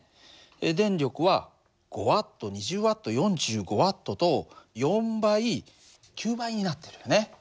電力は５Ｗ２０Ｗ４５Ｗと４倍９倍になってるよね。